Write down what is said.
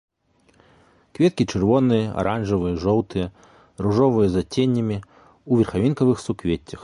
Кветкі чырвоныя, аранжавыя, жоўтыя, ружовыя з адценнямі, у верхавінкавых суквеццях.